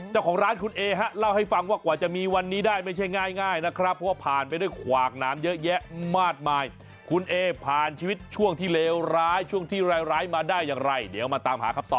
เจ้าของร้านครุ่นเอ้อฮะเล่าให้ฟังว่ากว่าจะมีวันนี้ได้มันไม่ใช่ง่ายนะครับ